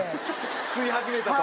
吸い始めたと？